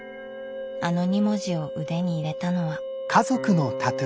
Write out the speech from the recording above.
あの２文字を腕に入れたのは。